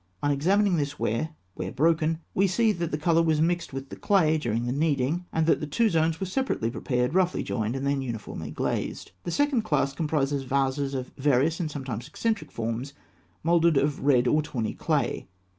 On examining this ware where broken, we see that the colour was mixed with the clay during the kneading, and that the two zones were separately prepared, roughly joined, and then uniformly glazed. The second class comprises vases of various and sometimes eccentric forms, moulded of red or tawny clay.